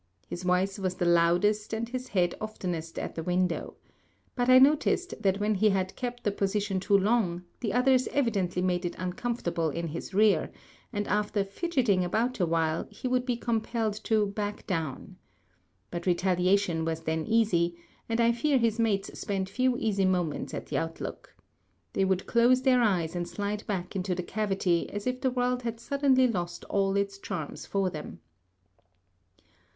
His voice was the loudest and his head oftenest at the window. But I noticed that when he had kept the position too long, the others evidently made it uncomfortable in his rear, and after "fidgeting" about awhile he would be compelled to "back down." But retaliation was then easy, and I fear his mates spent few easy moments at the outlook. They would close their eyes and slide back into the cavity as if the world had suddenly lost all its charms for them.